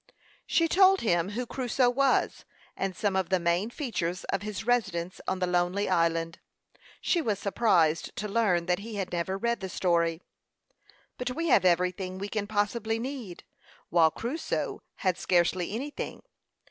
She told him who Crusoe was, and some of the main features of his residence on the lonely island. She was surprised to learn that he had never read the story. "But we have everything we can possibly need, while Crusoe had scarcely anything.